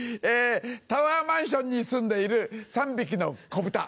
タワーマンションに住んでいる３びきのこぶた。